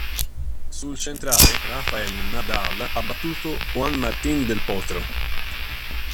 Sul centrale Rafael Nadal ha battuto Juan Martín del Potro.